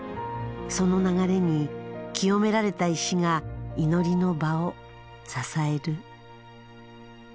その流れに清められた石が祈りの場を支える。